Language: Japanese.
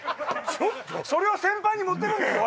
それを先輩に持ってくんですよ